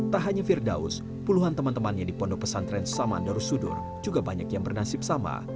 tak hanya firdaus puluhan teman temannya di pondok pesantren saman darussudur juga banyak yang bernasib sama